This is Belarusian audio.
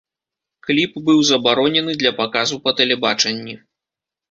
Кліп быў забаронены для паказу па тэлебачанні.